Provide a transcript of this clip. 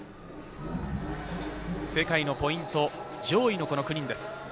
世界のポイント上位の９人です。